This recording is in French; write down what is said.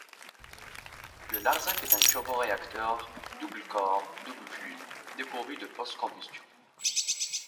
Le Larzac est un turboréacteur double corps double flux dépourvu de postcombustion.